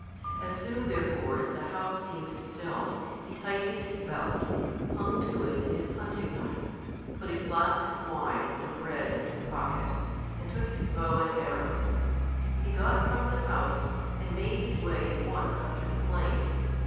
As soon, therefore, as the house seemed still, he tightened his belt, hung to it his hunting knife, put a flask of wine and some bread in his pocket, and took his bow and arrows. He got from the house, and made his way at once up to the plain.